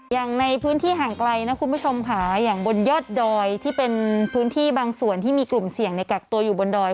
อย่างในพื้นที่ห่างไกลนะคุณผู้ชมค่ะอย่างบนยอดดอยที่เป็นพื้นที่บางส่วนที่มีกลุ่มเสี่ยงในกักตัวอยู่บนดอย